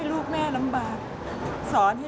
เจ๋เจ๋จ๋าแม่เจ๋